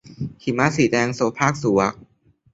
หิมะสีแดง - โสภาค สุวรรณ